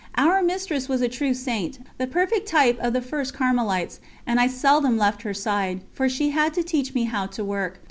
Our Mistress was a true saint, the perfect type of the first Carmelites, and I seldom left her side, for she had to teach me how to work.